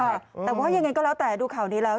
แต่ว่ายังไงก็แล้วแต่ดูข่าวนี้แล้ว